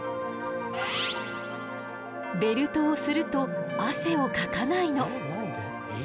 ベルトをすると汗をかかないの。